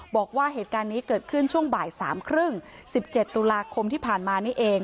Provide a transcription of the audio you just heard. บอกว่าเหตุการณ์นี้เกิดขึ้นช่วงบ่าย๓๓๐๑๗ตุลาคมที่ผ่านมานี่เอง